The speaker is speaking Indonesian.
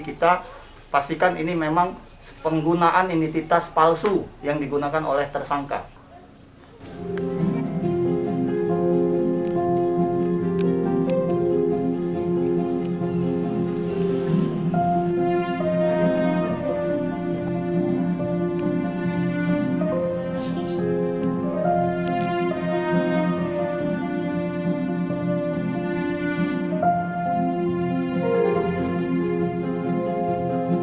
kita pastikan ini memang penggunaan identitas palsu yang digunakan oleh tersangka hai hai